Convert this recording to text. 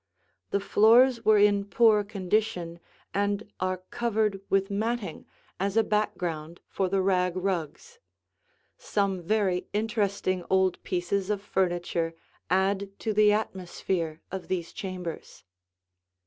The floors were in poor condition and are covered with matting as a background for the rag rugs. Some very interesting old pieces of furniture add to the atmosphere of these chambers.